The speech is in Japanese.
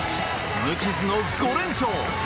無傷の５連勝。